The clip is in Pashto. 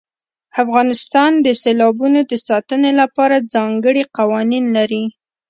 افغانستان د سیلابونو د ساتنې لپاره ځانګړي قوانین لري.